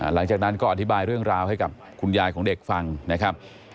หลังจากนั้นก็อธิบายเรื่องราวให้กับคุณยายของเด็กฟังนะครับ